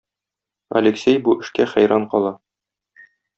Алексей бу эшкә хәйран кала.